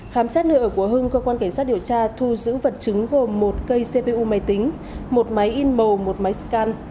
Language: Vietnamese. khám xét nơi ở của hưng cơ quan cảnh sát điều tra thu giữ vật chứng gồm một cây cpu máy tính một máy in màu một máy scan